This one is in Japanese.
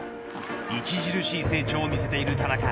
著しい成長を見せている田中。